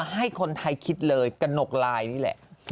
ให้คนไทยคิดเลยกระหนกลายนี่แหละ